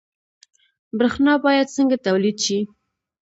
برښنا باید څنګه تولید شي؟